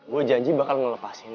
gue janji bakal ngelepasin